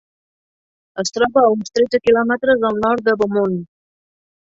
Es troba a uns tretze quilòmetres al nord de Beaumont.